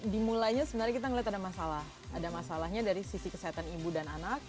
dimulainya sebenarnya kita melihat ada masalah ada masalahnya dari sisi kesehatan ibu dan anak